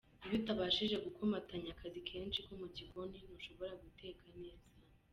Iyo utabashije gukomatanya akazi kenshi ko mu gikoni ntushobora guteka neza.